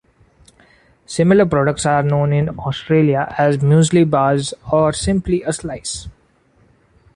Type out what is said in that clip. Similar products are known in Australia as muesli bars or simply 'a slice'.